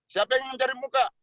siapa yang ingin mencari muka